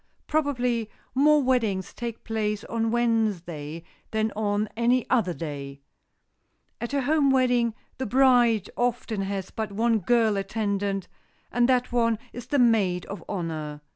Probably more weddings take place on Wednesday than on any other day. At a home wedding, the bride often has but one girl attendant, and that one is the maid of honor.